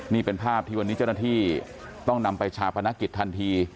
นี่เป็นภาพที่วันนี้เจ้าหน้าที่ต้องนำไปชาปนกิจทันที